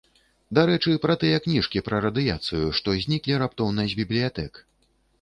Дарэчы, пра тыя кніжкі пра радыяцыю, што зніклі раптоўна з бібліятэк.